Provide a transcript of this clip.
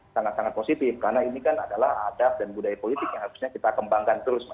sangat sangat positif karena ini kan adalah adab dan budaya politik yang harusnya kita kembangkan terus